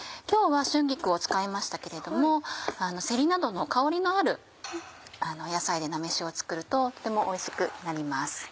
今日は春菊を使いましたけれどもせりなどの香りのある野菜で菜めしを作るととてもおいしくなります。